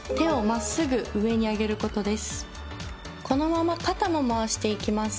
このまま肩も回していきます。